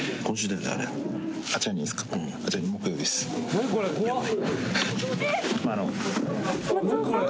何これ怖っ。